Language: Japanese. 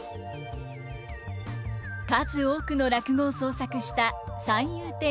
数多くの落語を創作した三遊亭圓朝。